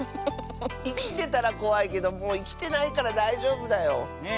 いきてたらこわいけどもういきてないからだいじょうぶだよ。